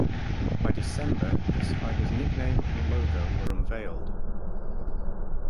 By December, the Spiders nickname and logo were unveiled.